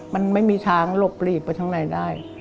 มันไม่มีช้างหลบหลีบไปข้างในได้